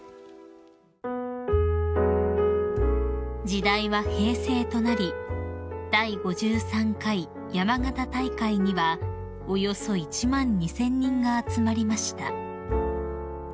［時代は平成となり第５３回山形大会にはおよそ１万２，０００人が集まりました］